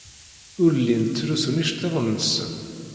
Ur llin ttlusun iceḍḍiḍen-nsen.